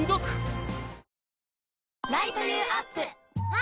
あ！